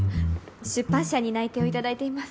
出版社に内定を頂いています。